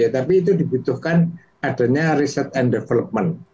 tapi itu dibutuhkan adanya research and development